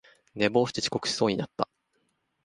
寝坊して遅刻しそうになった